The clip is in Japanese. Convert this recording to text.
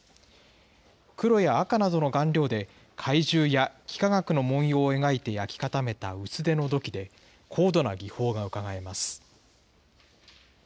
黒や赤などの顔料で、怪獣や幾何学の文様を描いて焼き固めた薄手の土器で、高度な技法がうかがえます。